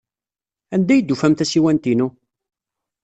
Anda ay d-tufam tasiwant-inu?